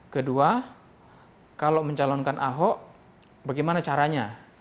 kedua kalau mencalonkan ahok bagaimana caranya